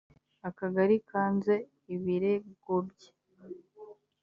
akagali kanze ibiregobye.